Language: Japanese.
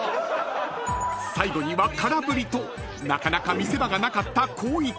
［最後には空振りとなかなか見せ場がなかった光一］